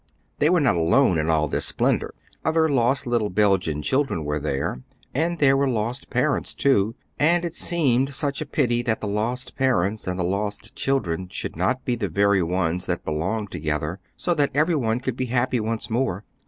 They were not alone in all this splendor; other lost little Belgian children were there, and there were lost parents, too, and it seemed such a pity that the lost parents and the lost children should not be the very ones that belonged together, so that every one could be happy once more.